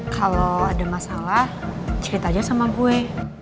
kalo ada masalah cerit aja sama gue